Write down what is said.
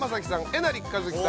えなりかずきさん